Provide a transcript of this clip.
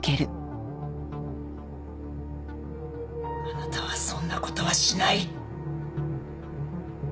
あなたはそんなことはしない。